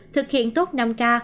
thực hiện tốt năm k